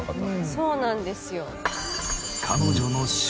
そうなんですよ。